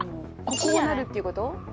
こうなるっていうこと？